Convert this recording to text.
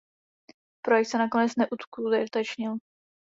Projekt se nakonec neuskutečnil.